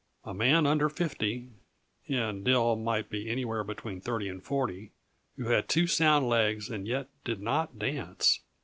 A man under fifty and Dill might be anywhere between thirty and forty who had two sound legs and yet did not dance!